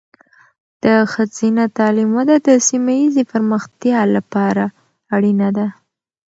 د ښځینه تعلیم وده د سیمه ایزې پرمختیا لپاره اړینه ده.